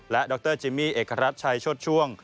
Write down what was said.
และดรจิมมี่เอกรัฐชัยโชดช่วง